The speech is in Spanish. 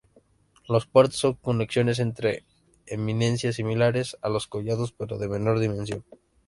Los puertos son conexiones entre eminencias similares a los collados pero de menor dimensión.